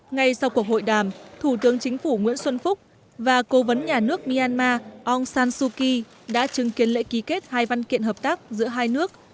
ngay sau cuộc hội đàm thủ tướng chính phủ nguyễn xuân phúc và cố vấn nhà nước myanmar aung san suu kyi đã chứng kiến lễ ký kết hai văn kiện hợp tác giữa hai nước